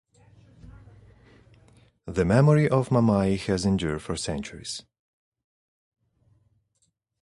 The memory of Mamai has endured for centuries.